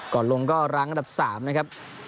ก่อนลงก็รั้งอันดับ๓นะครับ